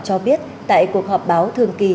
cho biết tại cuộc họp báo thường kỳ